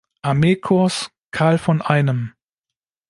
Armeekorps Karl von Einem.